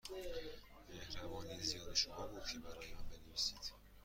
مهربانی زیاد شما بود که برای من بنویسید.